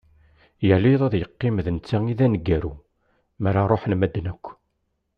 Yal iḍ ad yeqqim d netta i d aneggaru, mi ara ruḥen medden akk.